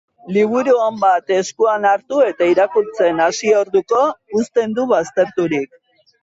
Liburu on bat eskuan hartu eta irakurtzen hasi orduko, uzten du bazterturik.